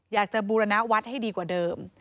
อยากจะบูรณาวัดให้ดีกว่าเดิม